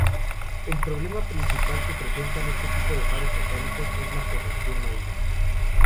El problema principal que presentaban este tipo de faros metálicos es la corrosión marina.